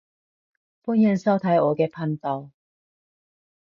歡迎收睇我嘅頻道